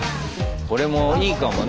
これもいいかもね